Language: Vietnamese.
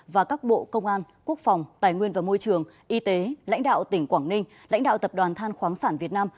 và các bộ công an quốc phòng tài nguyên và môi trường y tế lãnh đạo tỉnh quảng ninh lãnh đạo tập đoàn than khoáng sản việt nam